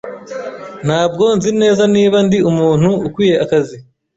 Ntabwo nzi neza niba ndi umuntu ukwiye akazi.